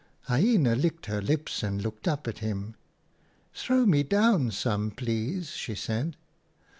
" Hyena licked her lips and looked up at him. "* Throw me down some, please,' she said.